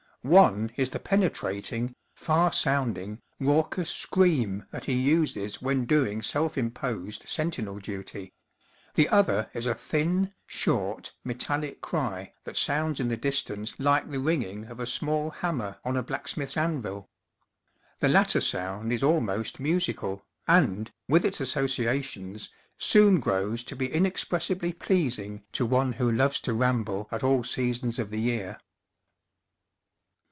One is the penetrating, 163 Where Town and Country Meet far sounding, raucous scream that he uses when doing self imposed sentinel duty; the other is a thin, short, metallic cry that sounds in the distance like the ringing of a small hammer on a blacksmith's anvil. The latter sound is almost musical, and, with its associations, soon grows to be inexpressibly pleasing to one who loves to ramble at all seasons of the year.